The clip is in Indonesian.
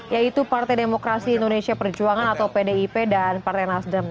yaitu partai demokrasi indonesia perjuangan atau pdip dan partai nasdem